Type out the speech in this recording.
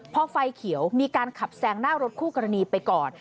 พอไฟเขียวมีการขับแซงหน้ารถคู่กรณีไปก่อน